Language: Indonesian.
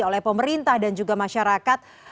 oleh pemerintah dan juga masyarakat